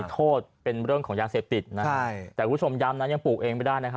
มีโทษเป็นเรื่องของยางเศรษฐิตนะแต่คุณผู้ชมย้ำนั้นยังปลูกเองไปได้นะครับ